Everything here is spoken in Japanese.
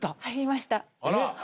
入りました。